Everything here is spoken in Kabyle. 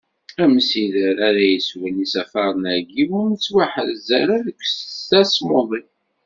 Amsider ara yeswen isafaren-agi ur nettwaḥrez ara deg tasmuḍi.